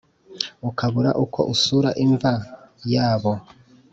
ukabura uko usura imva yabo